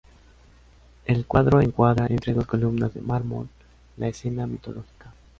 El cuadro encuadra entre dos columnas de mármol la escena mitológica.